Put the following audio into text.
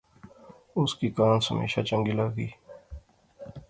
اس کی کانس ہمیشہ چنگی لغی